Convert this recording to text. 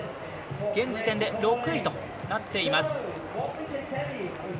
現時点で６位となっています。